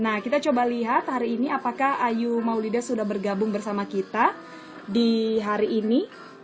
nah kita coba lihat hari ini apakah ayu maulida sudah bergabung bersama kita di hari ini